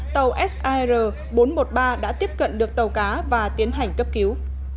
tàu sir bốn trăm một mươi ba đã tiếp cận được tàu cá và tiến hành cấp cứu